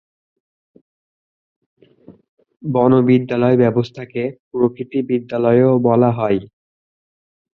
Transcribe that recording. বন বিদ্যালয় ব্যবস্থাকে "প্রকৃতি বিদ্যালয়"ও বলা হয়।